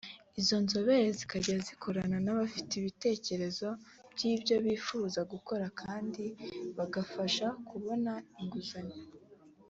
Izo nzobere zikazajya zikorana n’abafite ibitekerezo by’ibyo bifuza gukora kandi bagafasha kubona inguzanyo